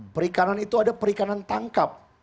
perikanan itu ada perikanan tangkap